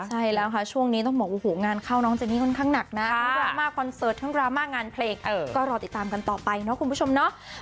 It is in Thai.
ใช่แล้วค่ะช่วงนี้ต้องบอกโอ้โหงานเข้าน้องเจนี่ค่อนข้างหนักนะทั้งดราม่าคอนเสิร์ตทั้งดราม่างานเพลงก็รอติดตามกันต่อไปเนาะคุณผู้ชมเนาะ